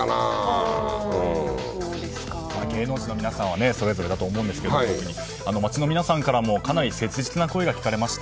芸能人の皆さんはそれぞれだと思うんですけど街の皆さんからもかなり切実な声が聞かれました。